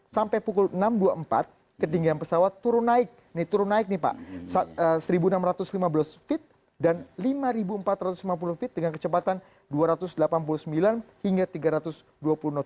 sampai pukul enam dua puluh empat ketinggian pesawat turun naik ini turun naik nih pak seribu enam ratus lima belas feet dan lima empat ratus lima puluh feet dengan kecepatan dua ratus delapan puluh sembilan hingga tiga ratus dua puluh knot